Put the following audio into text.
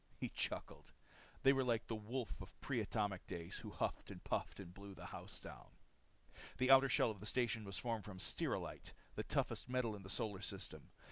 He chuckled. They were like the wolf of pre atomic days who huffed and puffed to blow the house down. The outer shell of the station was formed from stelrylite, the toughest metal in the solar system.